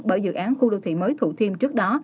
bởi dự án khu đô thị mới thủ thiêm trước đó